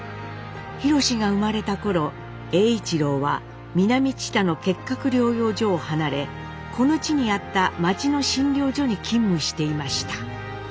ひろしが生まれた頃栄一郎は南知多の結核療養所を離れこの地にあった町の診療所に勤務していました。